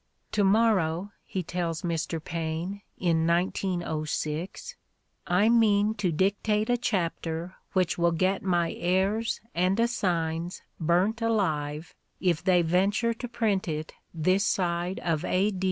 "To morrow," he tells Mr. Paine, in 1906, '' I mean to dictate a chapter which will get my heirs and assigns burnt alive if they venture to print it this side of A.